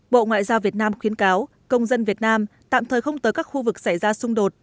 bộ ngoại giao việt nam khuyến cáo công dân việt nam tạm thời không tới các khu vực xảy ra xung đột